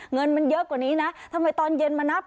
เงินมันเยอะกว่านี้นะทำไมตอนเย็นมานับ